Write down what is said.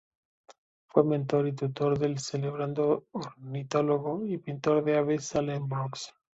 Fue mentor y tutor del celebrado ornitólogo y pintor de aves, Allan Brooks.